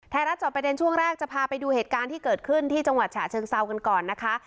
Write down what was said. รับจอบประเด็นช่วงแรกจะพาไปดูเหตุการณ์ที่เกิดขึ้นที่จังหวัดฉะเชิงเซากันก่อนนะคะ